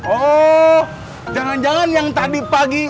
oh jangan jangan yang tadi pagi